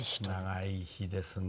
「長い日」ですね。